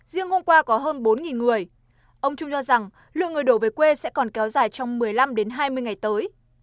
riêng hôm qua có hơn bốn người ông trung cho rằng lượng người đổ về quê sẽ còn kéo dài trong một mươi năm hai mươi ngày tới